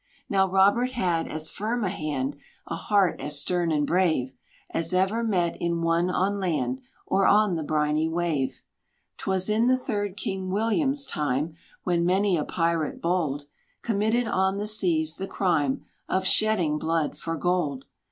Now Robert had as firm a hand, A heart as stern and brave, As ever met in one on land, Or on the briny wave. 'Twas in the third king William's time, When many a pirate bold Committed on the seas the crime Of shedding blood for gold.